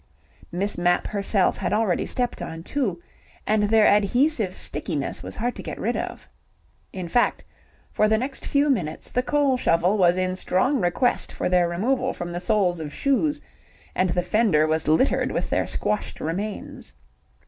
Miss Mapp herself had already stepped on two, and their adhesive stickiness was hard to get rid of. In fact, for the next few minutes the coal shovel was in strong request for their removal from the soles of shoes, and the fender was littered with their squashed remains.